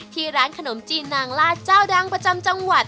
ที่ร้านขนมจีนนางลาดเจ้าดังประจำจังหวัด